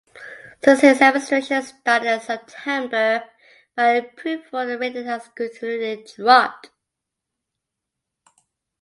Since his administration started in September, their approval rating has continually dropped.